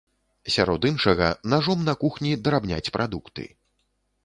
Сярод іншага, нажом на кухні драбняць прадукты.